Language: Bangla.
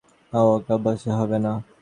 ও একা হবে না।